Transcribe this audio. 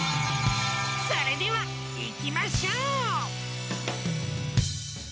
それではいきましょう！